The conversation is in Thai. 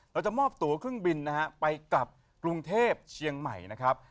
เราจะมอบตัวเครื่องบินนะฮะไปกลับกรุงเทพเชียงใหม่นะครับ